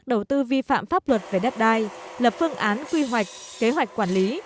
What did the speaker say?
đầu tư vi phạm pháp luật về đất đai lập phương án quy hoạch kế hoạch quản lý